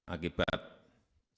akibat sebuah lni